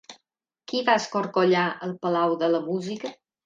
Qui va escorcollar el Palau de la Música?